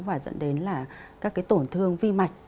và dẫn đến là các cái tổn thương vi mạch